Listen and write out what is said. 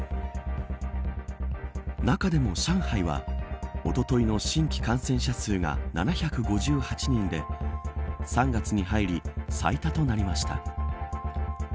中でも上海はおとといの新規感染者数が７５８人で３月に入り最多となりました。